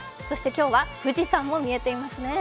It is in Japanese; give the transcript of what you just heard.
今日は富士山も見えています。